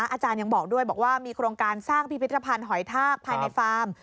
อาจารย์ยังบอกด้วยบอกว่ามีโครงการสร้างพิพิธภัณฑ์หอยทากภายในฟาร์ม